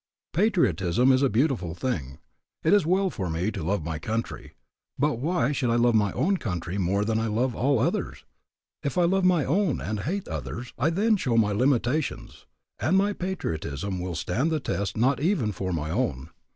Patriotism is a beautiful thing; it is well for me to love my country, but why should I love my own country more than I love all others? If I love my own and hate others, I then show my limitations, and my patriotism will stand the test not even for my own.